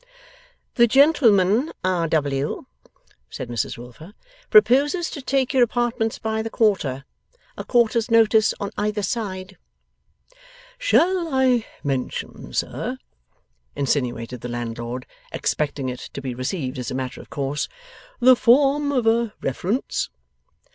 'The gentleman, R. W.,' said Mrs Wilfer, 'proposes to take your apartments by the quarter. A quarter's notice on either side.' 'Shall I mention, sir,' insinuated the landlord, expecting it to be received as a matter of course, 'the form of a reference?